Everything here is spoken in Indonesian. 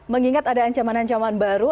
mengingat ada ancaman ancaman baru